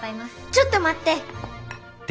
ちょっと待って！